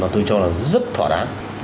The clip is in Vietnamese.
tôi cho là rất thỏa đáng